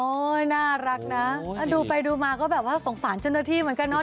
โอ๊ยน่ารักนะดูไปดูมาก็แบบว่าสงสารเชิญตัวที่เหมือนกันเนอะ